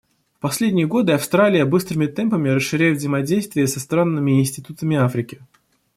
В последние годы Австралия быстрыми темпами расширяет взаимодействие со странами и институтами Африки.